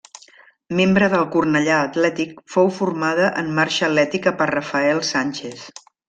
Membre del Cornellà Atlètic, fou formada en marxa atlètica per Rafael Sánchez.